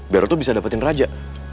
biar aku bisa dapetin raja